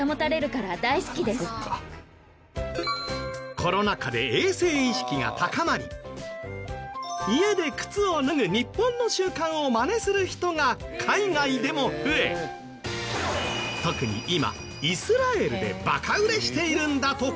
コロナ禍で衛生意識が高まり家で靴を脱ぐ日本の習慣をマネする人が海外でも増え特に今イスラエルでバカ売れしているんだとか。